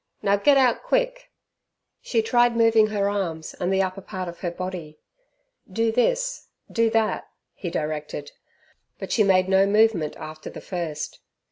"Now get out quick." She tried moving her arms and the upper part of her body. Do this; do that, he directed, but she made no movement after the first.